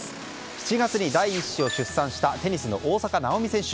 ７月に第１子を出産したテニスの大坂なおみ選手。